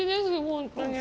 本当に。